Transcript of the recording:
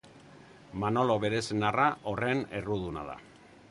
Manolo bere senarra horren erruduna da.